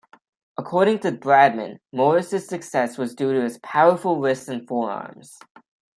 According to Bradman, Morris' success was due to his powerful wrists and forearms.